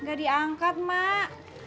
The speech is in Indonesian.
nggak diangkat mak